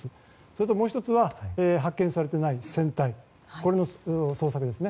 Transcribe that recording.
それともう１つは発見されていない船体の捜索です。